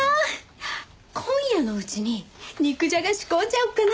今夜のうちに肉じゃが仕込んじゃおうかな！